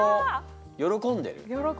喜んでる！